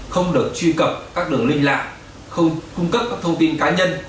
không được truy cập các đường linh lạc không cung cấp các thông tin cá nhân